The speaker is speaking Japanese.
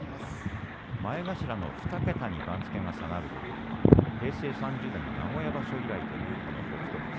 前頭の２桁に番付が下がるというのは平成３０年の名古屋場所以来という北勝富士。